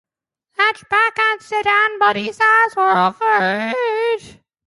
Hatchback and sedan body styles were offered.